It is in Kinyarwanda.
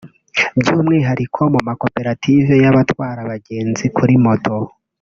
by’umwihariko mu makoperative y’abatwara abagenzi kuri Moto